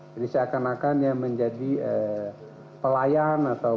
jadi seakan akan yang menjadi pelayan atau